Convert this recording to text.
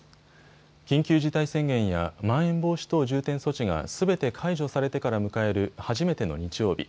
緊急事態宣言やまん延防止等重点措置がすべて解除されてから迎える初めての日曜日。